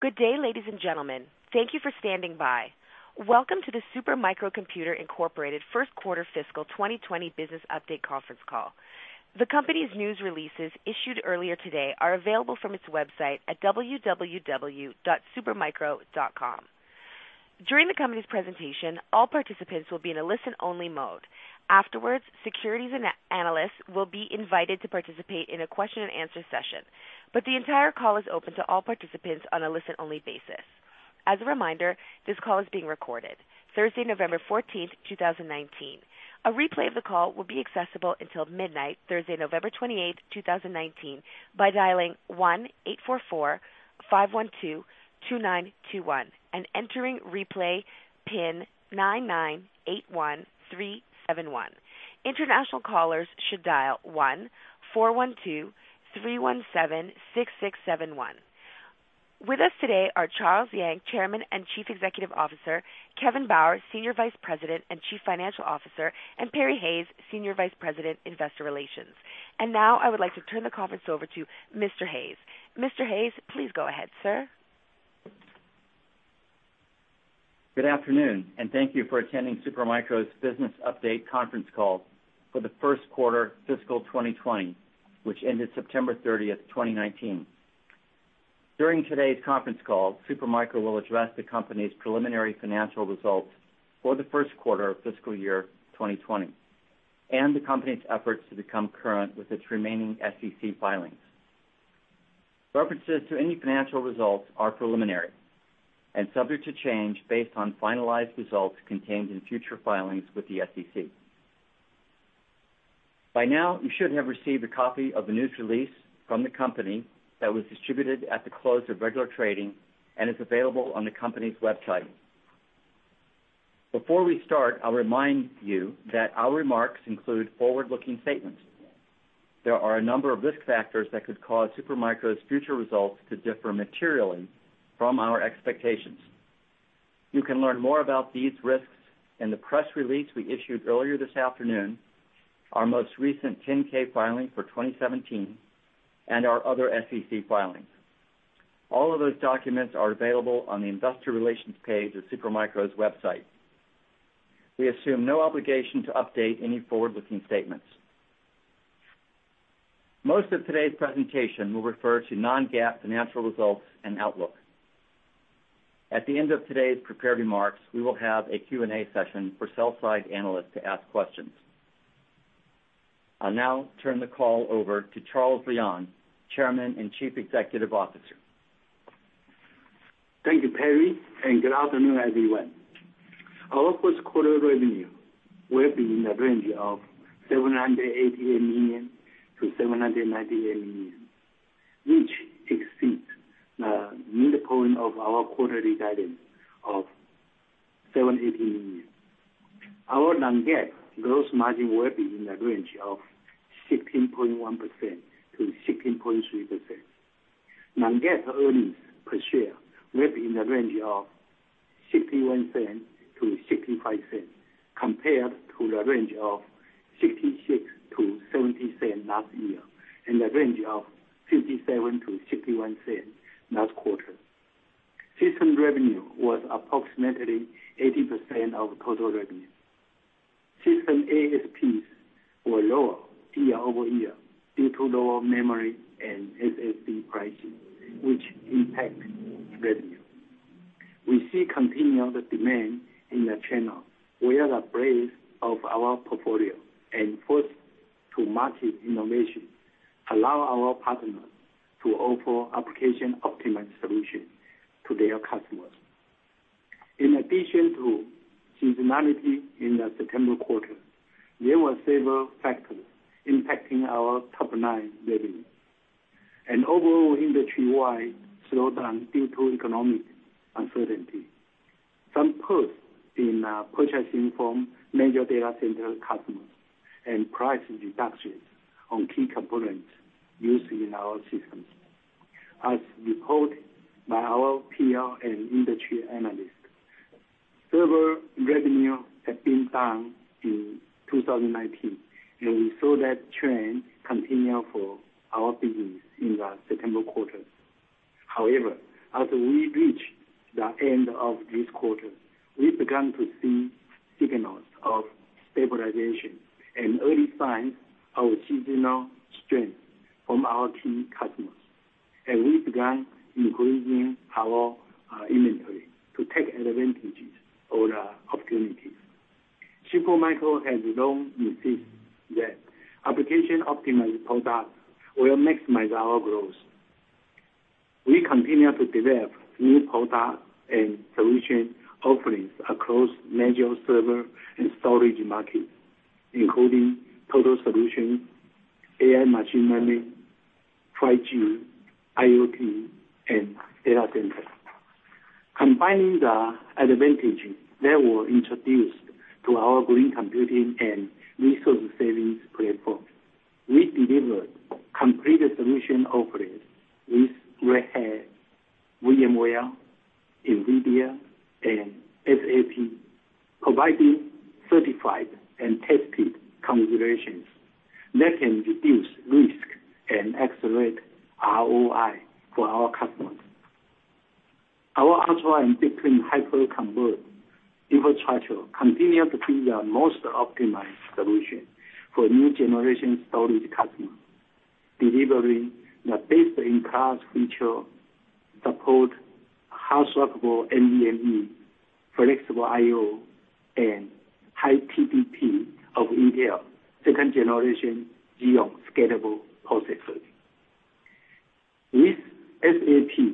Good day, ladies and gentlemen. Thank you for standing by. Welcome to the Super Micro Computer, Inc. First Quarter Fiscal 2020 Business Update Conference Call. The company's news releases issued earlier today are available from its website at www.supermicro.com. During the company's presentation, all participants will be in a listen-only mode. Afterwards, securities and analysts will be invited to participate in a question and answer session, but the entire call is open to all participants on a listen-only basis. As a reminder, this call is being recorded, Thursday, November 14th, 2019. A replay of the call will be accessible until midnight, Thursday, November 28th, 2019 by dialing 1-844-512-2921 and entering replay pin 9981371. International callers should dial 1-412-317-6671. With us today are Charles Liang, Chairman and Chief Executive Officer, Kevin Bauer, Senior Vice President and Chief Financial Officer, and Perry Hayes, Senior Vice President, Investor Relations. Now I would like to turn the conference over to Mr. Hayes. Mr. Hayes, please go ahead, sir. Good afternoon. Thank you for attending Super Micro's business update conference call for the first quarter fiscal 2020, which ended September 30th, 2019. During today's conference call, Super Micro will address the company's preliminary financial results for the first quarter of fiscal year 2020, and the company's efforts to become current with its remaining SEC filings. References to any financial results are preliminary and subject to change based on finalized results contained in future filings with the SEC. By now, you should have received a copy of the news release from the company that was distributed at the close of regular trading and is available on the company's website. Before we start, I'll remind you that our remarks include forward-looking statements. There are a number of risk factors that could cause Super Micro's future results to differ materially from our expectations. You can learn more about these risks in the press release we issued earlier this afternoon, our most recent 10-K filing for 2017, and our other SEC filings. All of those documents are available on the investor relations page of Super Micro's website. We assume no obligation to update any forward-looking statements. Most of today's presentation will refer to non-GAAP financial results and outlook. At the end of today's prepared remarks, we will have a Q&A session for sell-side analysts to ask questions. I'll now turn the call over to Charles Liang, Chairman and Chief Executive Officer. Thank you, Perry, and good afternoon, everyone. Our first quarter revenue will be in the range of $788 million-$798 million, which exceeds the midpoint of our quarterly guidance of $780 million. Our non-GAAP gross margin will be in the range of 16.1%-16.3%. Non-GAAP earnings per share will be in the range of $0.61-$0.65, compared to the range of $0.66-$0.70 last year and the range of $0.57-$0.51 last quarter. System revenue was approximately 80% of total revenue. System ASPs were lower year-over-year due to lower memory and SSD pricing, which impact revenue. We see continued demand in the channel. We are the breadth of our portfolio and first-to-market innovation allow our partners to offer application-optimized solutions to their customers. In addition to seasonality in the September quarter, there were several factors impacting our top-line revenue. An overall industry-wide slowdown due to economic uncertainty. Some push in purchasing from major data center customers and price reductions on key components used in our systems. As reported by our peer and industry analysts, server revenue had been down in 2019. We saw that trend continue for our business in the September quarter. As we reach the end of this quarter, we've begun to see signals of stabilization and early signs of seasonal strength from our key customers, and we've begun increasing our inventory to take advantages of the opportunities. Super Micro has long insisted that application optimized products will maximize our growth. We continue to develop new product and solution offerings across major server and storage markets, including total solution, AI machine learning, 5G, IoT, and data center. Combining the advantages that were introduced to our green computing and Resource-Saving Architecture, we deliver complete solution offerings with Red Hat, VMware, NVIDIA and SAP, providing certified and tested configurations that can reduce risk and accelerate ROI for our customers. Our hardware and BigTwin hyperconverged infrastructure continue to be the most optimized solution for new generation storage customers, delivering the best-in-class feature support, hot-swappable NVMe, flexible IO, and high TDP of Intel second generation Xeon Scalable processors. With SAP,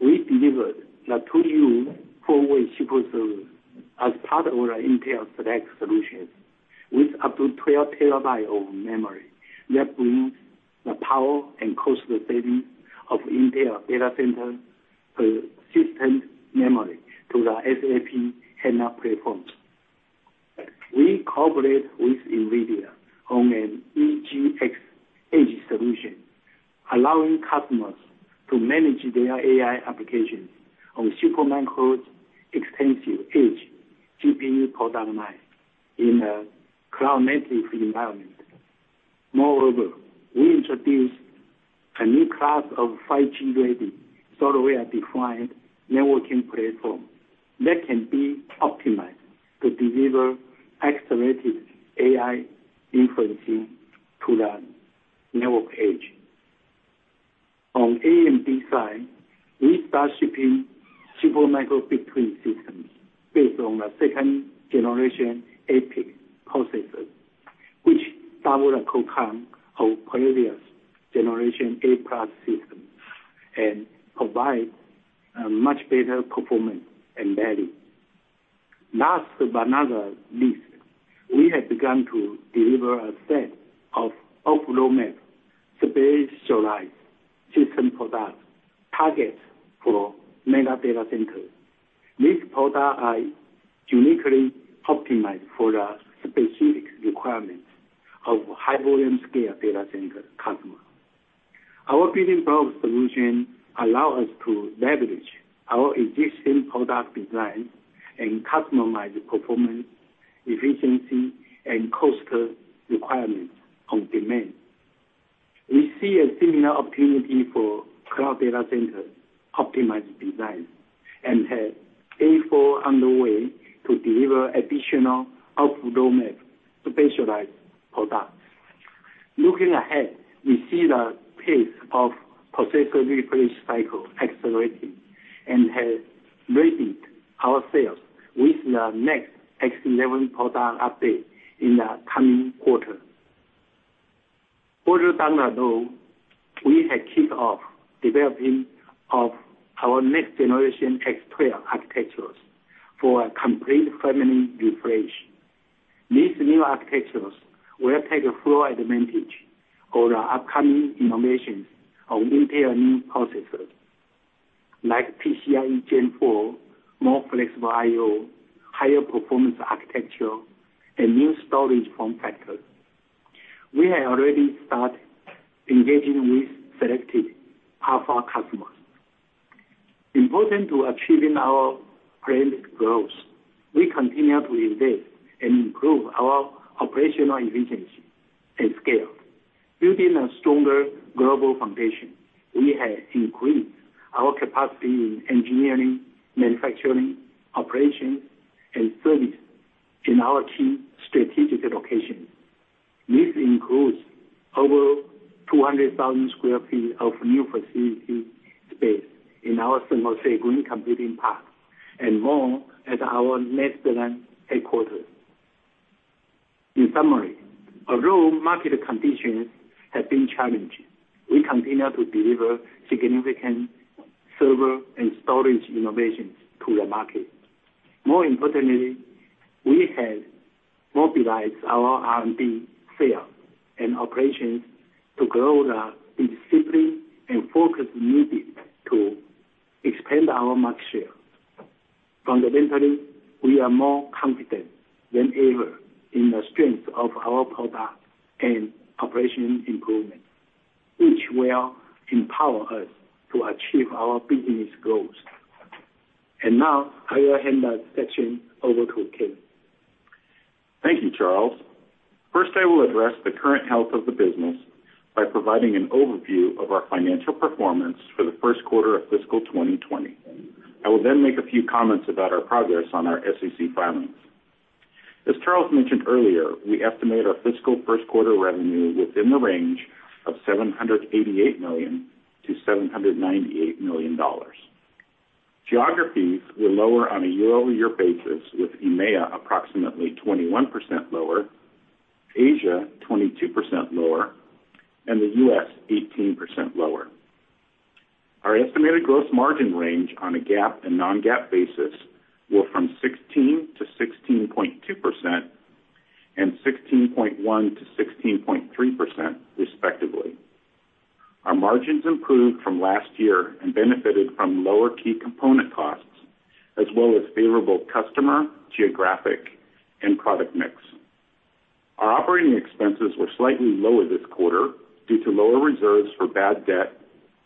we delivered the 2U 4-way server as part of our Intel Select Solutions with up to 12 TB of memory. That brings the power and cost saving of Intel Optane DC Persistent Memory to the SAP HANA platform. We collaborate with NVIDIA on an EGX edge solution, allowing customers to manage their AI applications on Super Micro's extensive edge GPU product line in a cloud-native environment. Moreover, we introduced a new class of 5G-ready software-defined networking platform that can be optimized to deliver accelerated AI inferencing to the network edge. On AMD side, we start shipping Super Micro BigTwin systems based on the 2nd generation EPYC processor, which double the core count of previous generation A-class system and provide a much better performance and value. Last but not least, we have begun to deliver a set of off-roadmap specialized system products target for mega data centers. These products are uniquely optimized for the specific requirements of high volume scale data center customer. Our building block solution allow us to leverage our existing product design and customize the performance, efficiency, and cost requirements on demand. We see a similar opportunity for cloud data center optimized design, and have R&D underway to deliver additional off-roadmap specialized products. Looking ahead, we see the pace of processor refresh cycle accelerating, and have readied ourselves with the next X11 product update in the coming quarter. Further down the road, we have kicked off developing of our next generation X12 architectures for a complete family refresh. These new architectures will take full advantage of the upcoming innovations of Intel new processors like PCIe Gen 4, more flexible I/O, higher performance architecture, and new storage form factor. We have already start engaging with selected alpha customers. Important to achieving our planned growth, we continue to invest and improve our operational efficiency and scale. Building a stronger global foundation, we have increased our capacity in engineering, manufacturing, operations, and service in our key strategic locations. This includes over 200,000 sq ft of new facility space in our San Jose Green Computing Park and more at our Netherlands headquarters. In summary, although market conditions have been challenging, we continue to deliver significant server and storage innovations to the market. More importantly, we have mobilized our R&D, sales, and operations to grow the discipline and focus needed to expand our market share. Fundamentally, we are more confident than ever in the strength of our product and operational improvement, which will empower us to achieve our business goals. Now I will hand the section over to Kevin. Thank you, Charles. First, I will address the current health of the business by providing an overview of our financial performance for the first quarter of fiscal 2020. I will then make a few comments about our progress on our SEC filings. As Charles mentioned earlier, we estimate our fiscal first quarter revenue within the range of $788 million-$798 million. Geographies were lower on a year-over-year basis, with EMEA approximately 21% lower, Asia 22% lower, and the U.S. 18% lower. Our estimated gross margin range on a GAAP and non-GAAP basis were from 16%-16.2% and 16.1%-16.3% respectively. Our margins improved from last year and benefited from lower key component costs as well as favorable customer, geographic, and product mix. Operating expenses were slightly lower this quarter due to lower reserves for bad debt,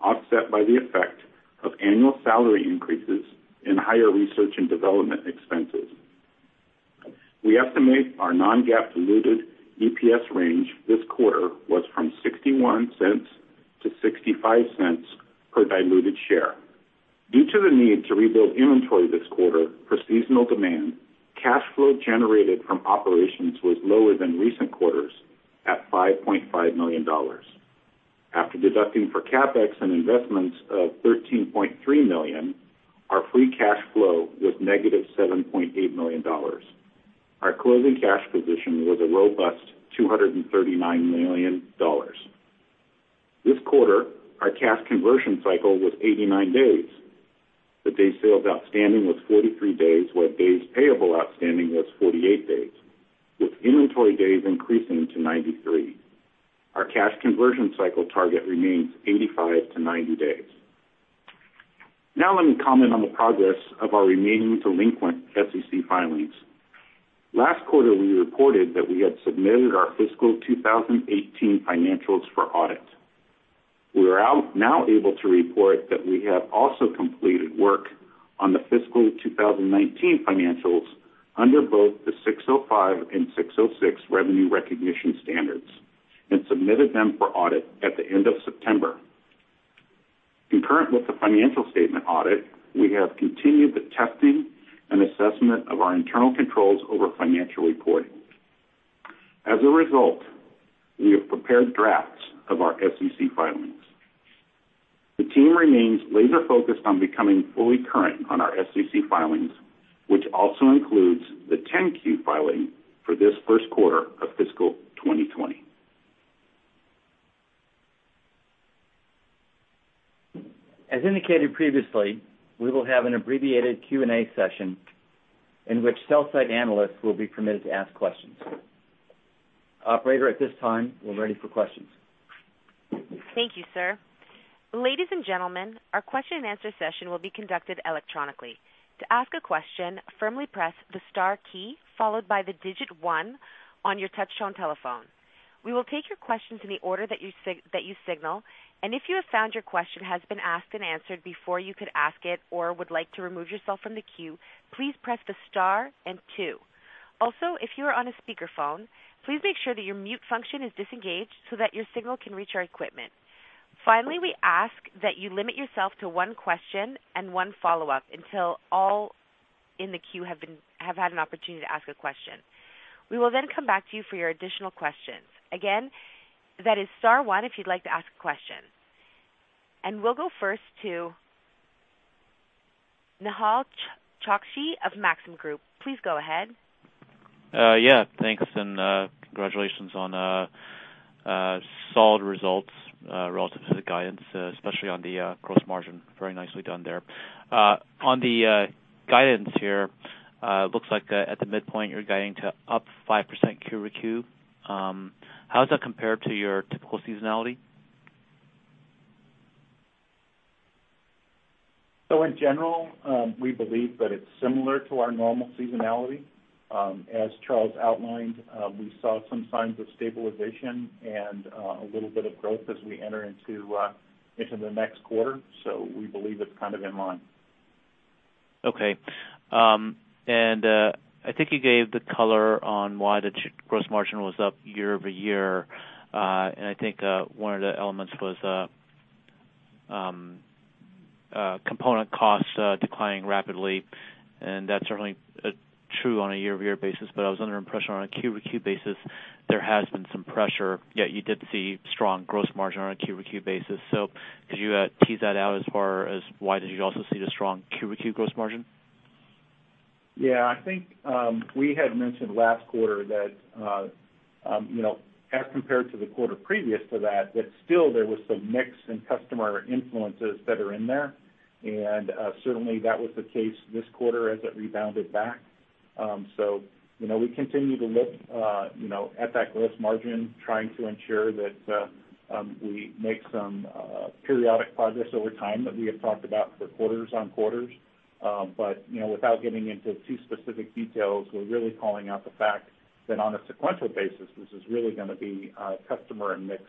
offset by the effect of annual salary increases and higher research and development expenses. We estimate our non-GAAP diluted EPS range this quarter was from $0.61-$0.65 per diluted share. Due to the need to rebuild inventory this quarter for seasonal demand, cash flow generated from operations was lower than recent quarters at $5.5 million. After deducting for CapEx and investments of $13.3 million, our free cash flow was negative $7.8 million. Our closing cash position was a robust $239 million. This quarter, our cash conversion cycle was 89 days. The days sales outstanding was 43 days, while days payable outstanding was 48 days, with inventory days increasing to 93. Our cash conversion cycle target remains 85 to 90 days. Now let me comment on the progress of our remaining delinquent SEC filings. Last quarter, we reported that we had submitted our fiscal 2018 financials for audit. We are now able to report that we have also completed work on the fiscal 2019 financials under both the 605 and 606 revenue recognition standards and submitted them for audit at the end of September. Concurrent with the financial statement audit, we have continued the testing and assessment of our internal controls over financial reporting. As a result, we have prepared drafts of our SEC filings. The team remains laser-focused on becoming fully current on our SEC filings, which also includes the 10-Q filing for this first quarter of fiscal 2020. As indicated previously, we will have an abbreviated Q&A session in which sell-side analysts will be permitted to ask questions. Operator, at this time, we're ready for questions. Thank you, sir. Ladies and gentlemen, our question and answer session will be conducted electronically. To ask a question, firmly press the star key followed by the digit 1 on your touch-tone telephone. We will take your questions in the order that you signal. If you have found your question has been asked and answered before you could ask it or would like to remove yourself from the queue, please press the star and two. Also, if you are on a speakerphone, please make sure that your mute function is disengaged so that your signal can reach our equipment. Finally, we ask that you limit yourself to one question and one follow-up until all in the queue have had an opportunity to ask a question. We will come back to you for your additional questions. Again, that is star one if you'd like to ask a question. We'll go first to Nehal Chokshi of Maxim Group. Please go ahead. Yeah. Thanks, and congratulations on solid results relative to the guidance, especially on the gross margin. Very nicely done there. On the guidance here, looks like at the midpoint, you're guiding to up 5% Q-over-Q. How does that compare to your typical seasonality? In general, we believe that it's similar to our normal seasonality. As Charles outlined, we saw some signs of stabilization and a little bit of growth as we enter into the next quarter. We believe it's kind of in line. Okay. I think you gave the color on why the gross margin was up year-over-year. I think one of the elements was component costs declining rapidly, and that's certainly true on a year-over-year basis. I was under impression on a Q-over-Q basis, there has been some pressure, yet you did see strong gross margin on a Q-over-Q basis. Could you tease that out as far as why did you also see the strong Q-over-Q gross margin? Yeah, I think we had mentioned last quarter that as compared to the quarter previous to that still there was some mix and customer influences that are in there. Certainly, that was the case this quarter as it rebounded back. We continue to look at that gross margin, trying to ensure that we make some periodic progress over time that we have talked about for quarters on quarters. Without getting into too specific details, we're really calling out the fact that on a sequential basis, this is really going to be customer and mix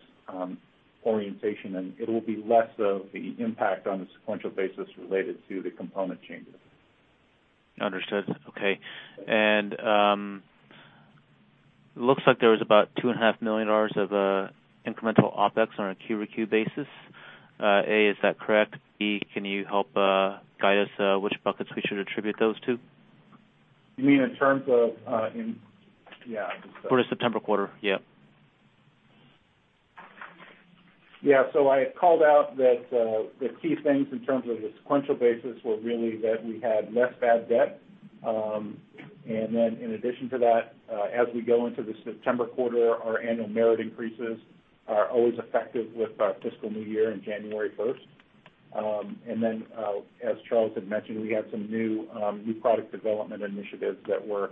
orientation, and it'll be less of the impact on a sequential basis related to the component changes. Understood. Okay. Looks like there was about $2.5 million of incremental OpEx on a Q-over-Q basis. A, is that correct? B, can you help guide us which buckets we should attribute those to? You mean in terms of Yeah, I can. For the September quarter. Yeah. I had called out that the key things in terms of the sequential basis were really that we had less bad debt. In addition to that, as we go into the September quarter, our annual merit increases are always effective with our fiscal new year in January 1st. As Charles had mentioned, we had some new product development initiatives that were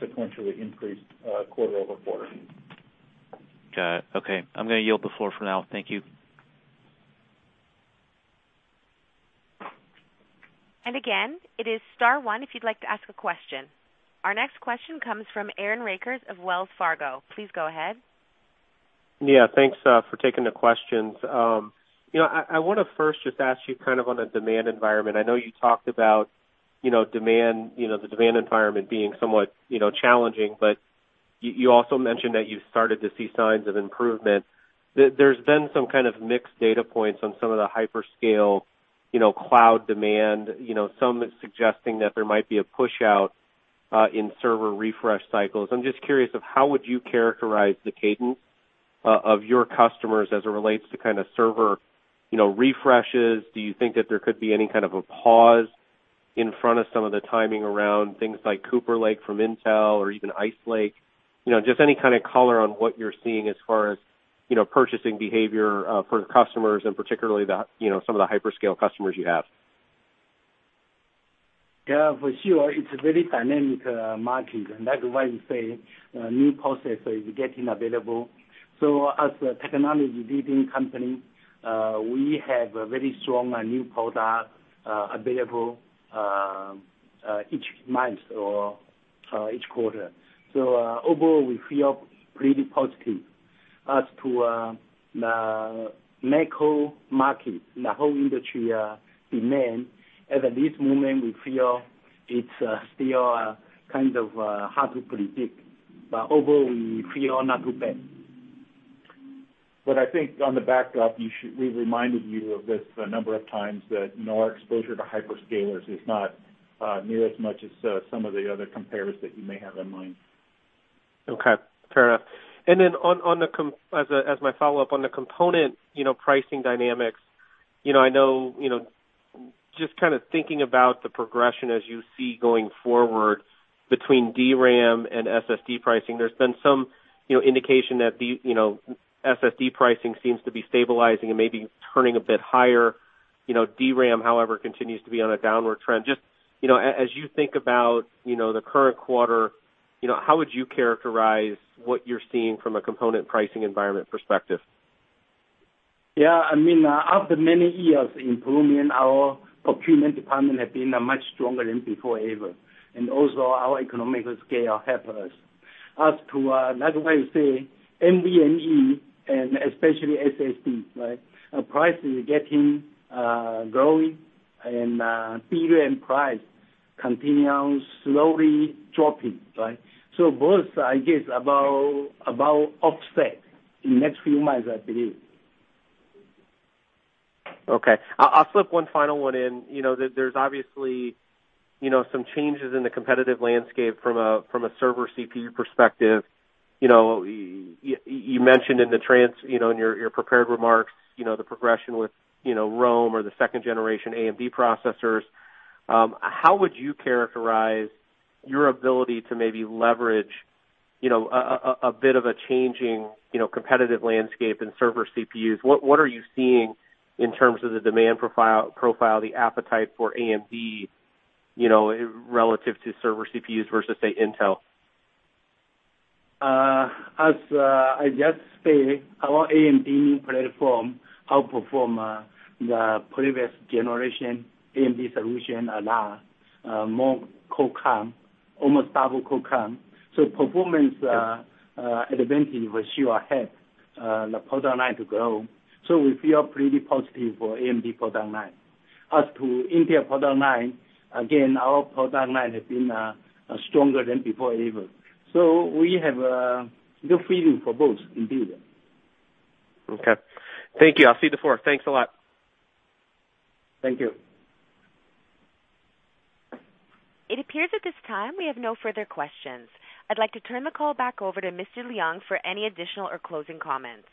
sequentially increased quarter-over-quarter. Got it. Okay. I'm going to yield the floor for now. Thank you. Again, it is star 1 if you'd like to ask a question. Our next question comes from Aaron Rakers of Wells Fargo. Please go ahead. Yeah. Thanks for taking the questions. I want to first just ask you on the demand environment. I know you talked about the demand environment being somewhat challenging, but you also mentioned that you started to see signs of improvement. There's been some kind of mixed data points on some of the hyperscale cloud demand. Some suggesting that there might be a push-out in server refresh cycles. I'm just curious of how would you characterize the cadence of your customers as it relates to server refreshes. Do you think that there could be any kind of a pause in front of some of the timing around things like Cooper Lake from Intel or even Ice Lake? Just any kind of color on what you're seeing as far as purchasing behavior for the customers and particularly some of the hyperscale customers you have. Yeah, for sure. It's a very dynamic market, that's why we say new processor is getting available. As a technology leading company, we have a very strong new product available each month or each quarter. Overall, we feel pretty positive as to the macro market and the whole industry demand. At this moment, we feel it's still kind of hard to predict. Overall, we feel not too bad. I think on the backdrop, we've reminded you of this a number of times that our exposure to hyperscalers is not near as much as some of the other compares that you may have in mind. Okay, fair enough. As my follow-up on the component pricing dynamics. I know, just kind of thinking about the progression as you see going forward between DRAM and SSD pricing. There's been some indication that the SSD pricing seems to be stabilizing and maybe turning a bit higher. DRAM, however, continues to be on a downward trend. As you think about the current quarter, how would you characterize what you're seeing from a component pricing environment perspective? Yeah. After many years improving, our procurement department have been much stronger than before ever, and also our economical scale help us. That's why you say NVMe and especially SSD. Right? Price is getting growing and period price continues slowly dropping. Right? Both, I guess, about offset in next few months, I believe. Okay. I'll slip one final one in. There's obviously some changes in the competitive landscape from a server CPU perspective. You mentioned in your prepared remarks the progression with Rome or the second generation AMD processors. How would you characterize your ability to maybe leverage a bit of a changing competitive landscape in server CPUs? What are you seeing in terms of the demand profile, the appetite for AMD, relative to server CPUs versus, say, Intel? As I just say, our AMD platform outperform the previous generation AMD solution a lot. More core count, almost double core count. Performance advantage for sure help the product line to grow. We feel pretty positive for AMD product line. As to Intel product line, again, our product line has been stronger than before ever. We have a good feeling for both indeed. Okay. Thank you. I'll see the four. Thanks a lot. Thank you. It appears at this time we have no further questions. I'd like to turn the call back over to Mr. Liang for any additional or closing comments.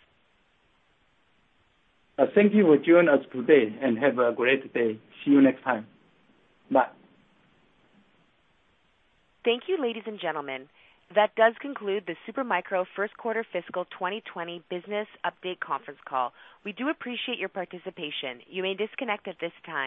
Thank you for joining us today, and have a great day. See you next time. Bye. Thank you, ladies and gentlemen. That does conclude the Super Micro first quarter fiscal 2020 business update conference call. We do appreciate your participation. You may disconnect at this time.